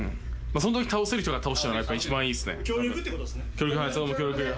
そのとき倒せる人が倒すのが一番いいですね。